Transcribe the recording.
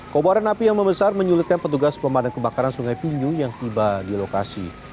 kobaran api yang membesar menyulitkan petugas pemadam kebakaran sungai pinju yang tiba di lokasi